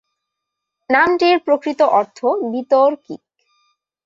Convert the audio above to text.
নামটির প্রকৃত অর্থ বিতর্কিত।